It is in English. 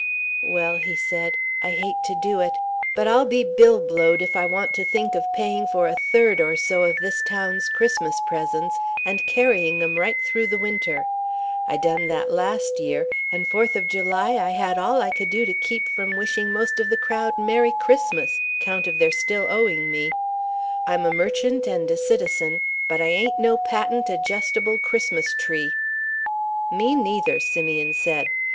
"Well," he said, "I hate to do it. But I'll be billblowed if I want to think of paying for a third or so of this town's Christmas presents and carrying 'em right through the Winter. I done that last year, and Fourth of July I had all I could do to keep from wishing most of the crowd Merry Christmas, 'count of their still owing me. I'm a merchant and a citizen, but I ain't no patent adjustable Christmas tree." "Me neither," Simeon said.